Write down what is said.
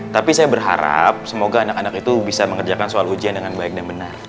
tapi saya berharap semoga anak anak itu bisa mengerjakan soal ujian dengan baik dan benar